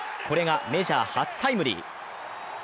これがメジャー初タイムリー。